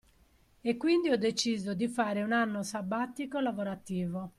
E quindi ho deciso di fare un anno sabbatico-lavorativo.